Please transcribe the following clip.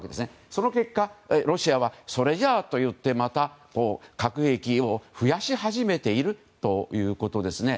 その結果、ロシアはそれじゃと言って、核兵器を増やし始めているということですね。